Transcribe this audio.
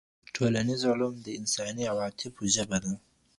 ټولنيز علوم د انساني عواطفو ژبه ده.